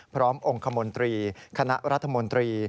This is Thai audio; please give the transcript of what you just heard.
องค์คมนตรีคณะรัฐมนตรี